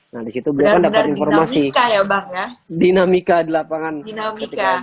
nah disitu beliau kan dapat informasi benar benar dinamika ya bang ya dinamika di lapangan dinamika